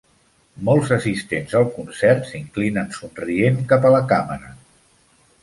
Molts assistents al concert s'inclinen somrient cap a la càmera.